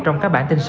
trong các bản tin sau